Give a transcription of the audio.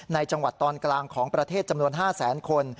ในจังหวัดตอนกลางของประเทศจำนวน๕แสนคน